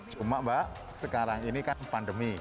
cuma mbak sekarang ini kan pandemi